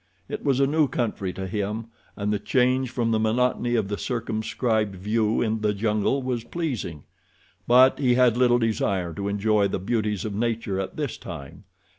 It was a new country to him and the change from the monotony of the circumscribed view in the jungle was pleasing. But he had little desire to enjoy the beauties of nature at this time.